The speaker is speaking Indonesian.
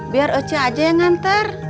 biar oci aja yang anter